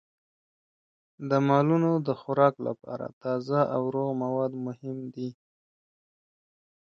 د مالونو د خوراک لپاره تازه او روغ مواد مهم دي.